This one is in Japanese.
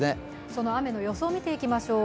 その雨の予想を見ていきましょう。